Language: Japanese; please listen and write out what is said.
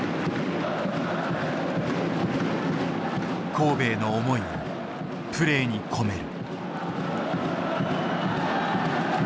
神戸への思いをプレーに込める。